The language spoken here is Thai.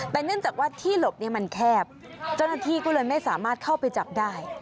แต่เนื่องจากว่าที่หลบนี้มันแคบเจ้าหน้าที่ก็เลยไม่สามารถเข้าไปจับได้